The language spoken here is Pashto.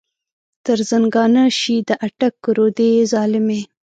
تر زنګانه شې د اټک رودې ظالمې.